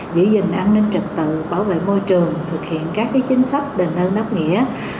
giữ gìn an ninh trật tự bảo vệ môi trường thực hiện các chính sách đền ơn đáp nghĩa